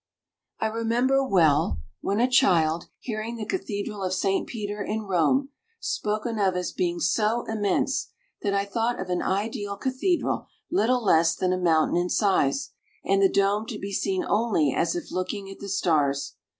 I remember well, when a child, hearing the Cathedral of St. Peter, in Rome, spoken of as being so immense that I thought of an ideal cathedral little less than a mountain in size, and the dome to be seen only as if looking at the stars.